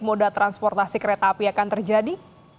moda transportasi kereta api akan terjadi